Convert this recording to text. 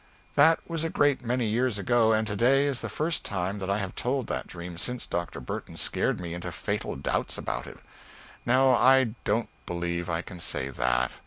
That was a great many years ago. And to day is the first time that I have told that dream since Dr. Burton scared me into fatal doubts about it. No, I don't believe I can say that.